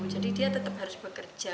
jadi dia tetap harus bekerja